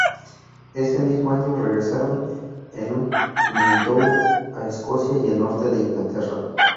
Ese mismo año regresaron en un mini-tour a Escocia y el norte de Inglaterra.